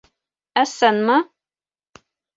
— Ысынмы?